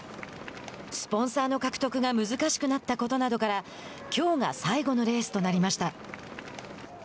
スポンサーの獲得が難しくなったことなどからきょうが最後のレースとなりました。